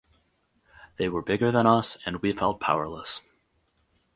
They were bigger than us and we felt powerless.